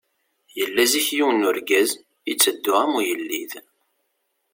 Yella zik yiwen n urgaz, yetteddu am ugellid.